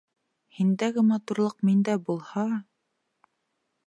Һиндәге матурлыҡ миндә булһа...